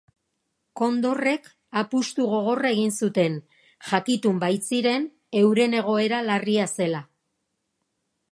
Kondorrek apustu gogorra egin zuten, jakitun baitziren euren egoera larria zela.